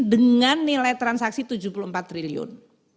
dengan nilai transaksi rp tujuh puluh empat triliun